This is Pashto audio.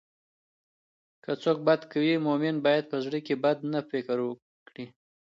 که څوک بد کوي، مؤمن باید په زړه کې بد نه فکر کړي.